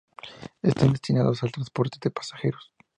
Están destinados al transporte de pasajeros.